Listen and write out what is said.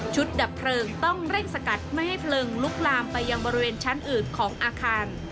ดับเพลิงต้องเร่งสกัดไม่ให้เพลิงลุกลามไปยังบริเวณชั้นอื่นของอาคาร